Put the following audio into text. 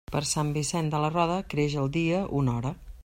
Per Sant Vicent de la Roda creix el dia una hora.